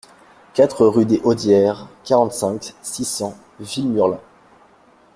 quatre rue des Haudières, quarante-cinq, six cents, Villemurlin